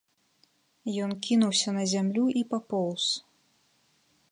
Ён кінуўся на зямлю і папоўз.